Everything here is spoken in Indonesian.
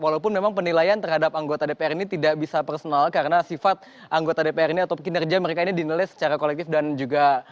walaupun memang penilaian terhadap anggota dpr ini tidak bisa personal karena sifat anggota dpr ini atau kinerja mereka ini dinilai secara kolektif dan juga